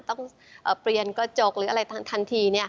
ต้องเปลี่ยนกระจกหรืออะไรทันที